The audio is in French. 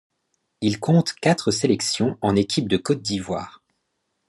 Il compte quatre sélection en équipe de Côte d'Ivoire.